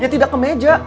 ya tidak ke meja